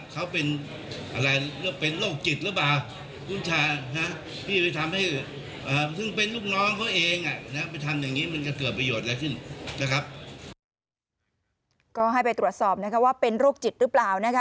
ก็ให้ไปตรวจสอบนะคะว่าเป็นโรคจิตหรือเปล่านะคะ